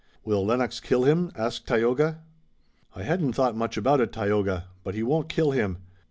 "Will Lennox kill him?" asked Tayoga. "I hadn't thought much about it, Tayoga, but he won't kill him.